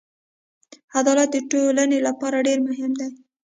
عدالت د ټولنې لپاره ډېر مهم دی.